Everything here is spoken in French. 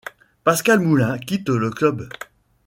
Pascal Moulin quitte le club.